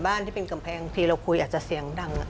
ไม่เอาไปเลย